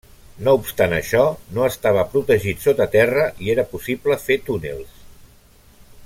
No obstant això, no estava protegit sota terra i era possible fer túnels.